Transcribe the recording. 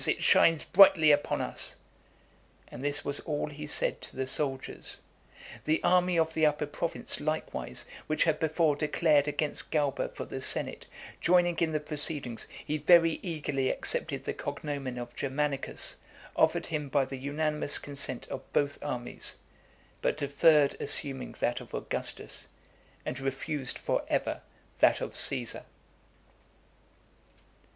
it shines brightly upon us." And this was all he said to the soldiers. The army of the Upper Province likewise, which had before declared against Galba for the senate, joining in the proceedings, he very eagerly accepted the cognomen of Germanicus, offered him by the unanimous consent of both armies, but deferred assuming that of Augustus, and refused for ever that of Caesar.